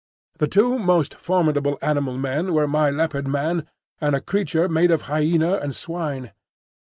The two most formidable Animal Men were my Leopard man and a creature made of hyena and swine.